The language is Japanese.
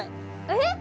えっ！？